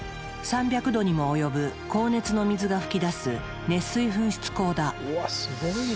３００度にも及ぶ高熱の水が噴き出す「熱水噴出孔」だ。